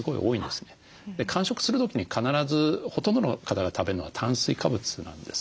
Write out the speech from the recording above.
間食する時に必ずほとんどの方が食べるのは炭水化物なんです。